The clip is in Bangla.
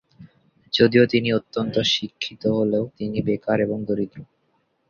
যদিও তিনি অত্যন্ত শিক্ষিত হলেও তিনি বেকার এবং দরিদ্র।